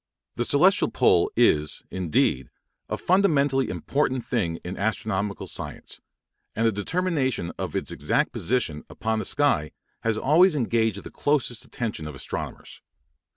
The celestial pole is, indeed, a fundamentally important thing in astronomical science, and the determination of its exact position upon the sky has always engaged the closest attention of astronomers.